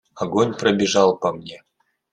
Огонь пробежал по мне.